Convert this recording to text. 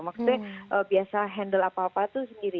maksudnya biasa handle apa apa itu sendiri